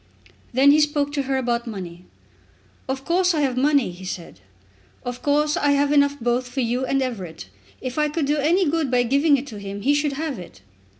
Then he spoke to her about money. "Of course I have money," he said. "Of course I have enough both for you and Everett. If I could do any good by giving it to him, he should have it."